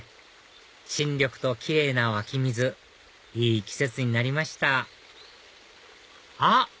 新緑と奇麗な湧き水いい季節になりましたあっ！